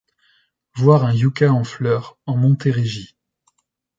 Voir un yucca en fleur en Montérégie.